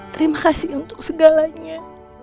terima kasih untuk segalanya